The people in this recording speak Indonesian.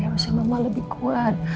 harusi mama lebih kuat